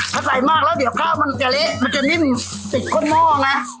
ถ้าใส่มากแล้วเดี๋ยวข้าวมันจะเละมันจะนิ่มติดก้นหม้อไง